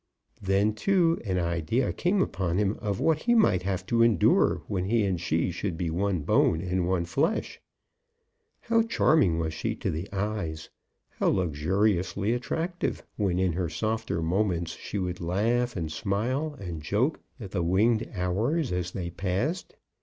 Then, too, an idea came upon him of what he might have to endure when he and she should be one bone and one flesh. How charming was she to the eyes! how luxuriously attractive, when in her softer moments she would laugh, and smile, and joke at the winged hours as they passed!